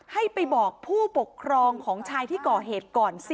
ให้ไปบอกผู้ปกครองของชายที่ก่อเหตุก่อนสิ